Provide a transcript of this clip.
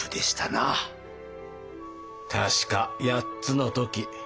確か８つの時。